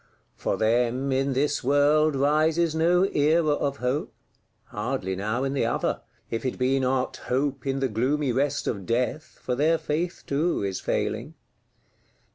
For them, in this world, rises no Era of Hope; hardly now in the other,—if it be not hope in the gloomy rest of Death, for their faith too is failing.